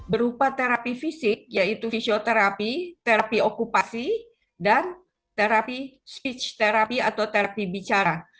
berupa terapi fisik yaitu fisioterapi terapi okupasi dan terapi speech therapy atau terapi bicara